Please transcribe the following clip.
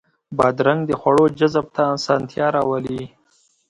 بادرنګ د خواړو جذب ته اسانتیا راولي.